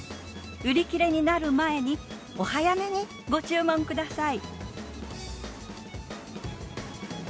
売り切れになる前にお早めにご注文ください。